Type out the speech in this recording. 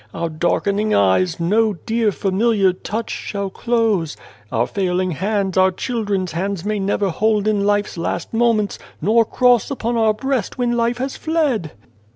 Our darkening eyes no dear familiar touch shall close ; our failing hands our children's hands may never hold in life's last moments, nor cross upon our breast when life has fled."